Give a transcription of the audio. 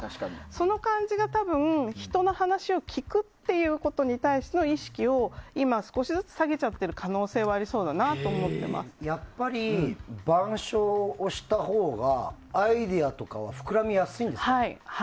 その感じが人の話を聞くということに対しての意識を今、少しずつ下げちゃってる感じはやっぱり板書をしたほうがアイデアとかは膨らみやすいですか？